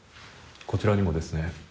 こちらにもですね。